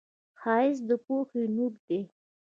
ښایست د پوهې نور دی